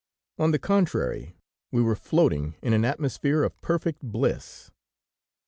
On the contrary, we were floating in an atmosphere of perfect bliss.